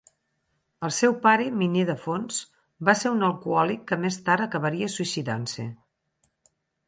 El seu pare, miner de fons, va ser un alcohòlic que més tard acabaria suïcidant-se.